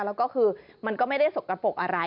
แล้วก็คือมันก็ไม่ได้สกปรกอะไร